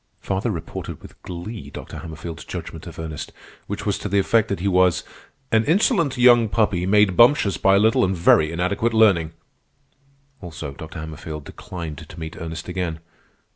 Father reported with glee Dr. Hammerfield's judgment of Ernest, which was to the effect that he was "an insolent young puppy, made bumptious by a little and very inadequate learning." Also, Dr. Hammerfield declined to meet Ernest again.